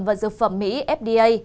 và dược phẩm mỹ fda